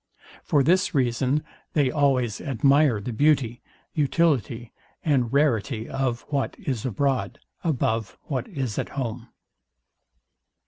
For this reason they always admire the beauty, utility and rarity of what is abroad, above what is at home.